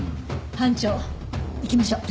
班長行きましょう。